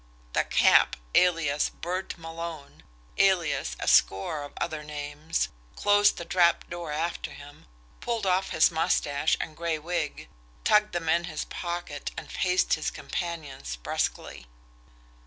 The Cap, alias Bert Malone, alias a score of other names, closed the trapdoor after him, pulled off his mustache and gray wig, tucked them in his pocket, and faced his companions brusquely.